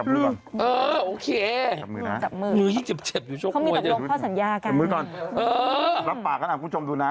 เรียบร้อยซะ